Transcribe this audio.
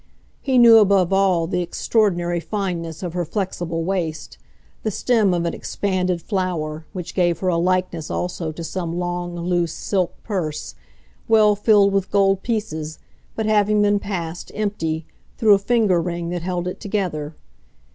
He knew above all the extraordinary fineness of her flexible waist, the stem of an expanded flower, which gave her a likeness also to some long, loose silk purse, well filled with gold pieces, but having been passed, empty, through a finger ring that held it together.